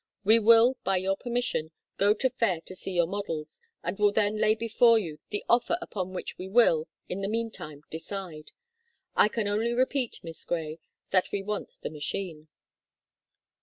We will, by your permission, go to Fayre to see your models, and will then lay before you the offer upon which we will, in the meantime, decide. I can only repeat, Miss Grey, that we want the machine."